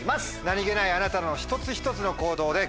何げないあなたの一つ一つの行動で＃